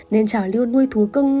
nên trào lưu nuôi thú cưng